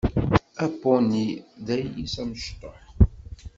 Apuni d ayis amecṭuḥ.